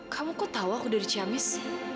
kamu kok tahu aku dari ciamis